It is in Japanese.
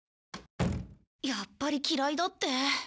やっぱり嫌いだって。